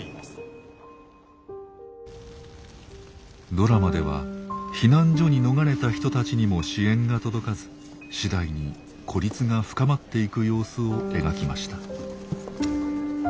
ドラマでは避難所に逃れた人たちにも支援が届かず次第に孤立が深まっていく様子を描きました。